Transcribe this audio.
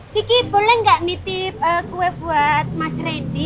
kiki boleh gak nitip kue buat mas reddy